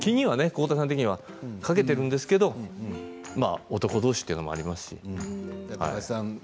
浩太さん的には気にかけているんですけど男同士というのもありますし。